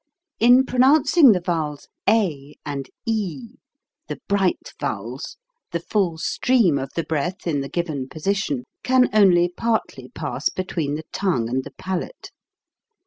In pronouncing the vowels a and e, the bright vowels, the full stream of the breath, in the given position, can only partly pass between the tongue and the palate.